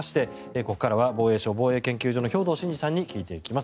ここからは防衛省防衛研究所の兵頭慎治さんに聞いていきます。